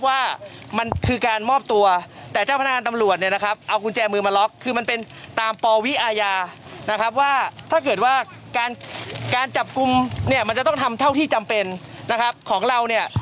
ว่าการการจับกุมเนี่ยมันจะต้องทำเท่าที่จำเป็นนะครับของเราเนี่ย